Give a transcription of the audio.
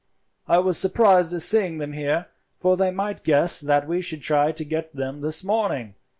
I was surprised at seeing them here, for they might guess that we should try to get them this morning.